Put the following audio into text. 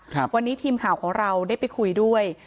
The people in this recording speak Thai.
ครับวันนี้ทีมข่าวของเราได้ไปคุยด้วย